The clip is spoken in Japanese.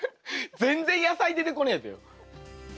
全然野菜出てこねえべよ。